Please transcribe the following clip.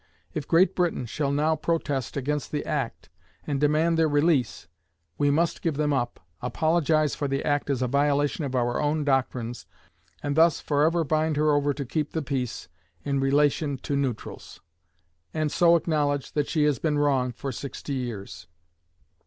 If Great Britain shall now protest against the act, and demand their release, we must give them up, apologize for the act as a violation of our own doctrines, and thus forever bind her over to keep the peace in relation to neutrals, and so acknowledge that she has been wrong for sixty years.'